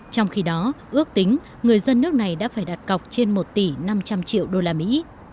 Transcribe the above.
trong khi đó ước tính người dân nước này đã phải đặt cọc trên một tỷ năm trăm linh triệu đô la mỹ